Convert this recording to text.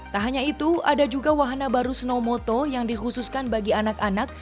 tak hanya itu ada juga wahana baru snowmoto yang dikhususkan bagi anak anak